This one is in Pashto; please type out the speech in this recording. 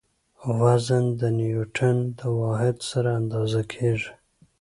وزن د نیوټڼ د واحد سره اندازه کیږي.